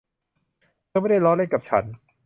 เธอไม่ได้ล้อเล่นกับฉัน